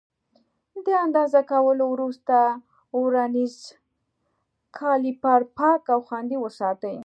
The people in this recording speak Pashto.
د اندازه کولو وروسته ورنیز کالیپر پاک او خوندي وساتئ.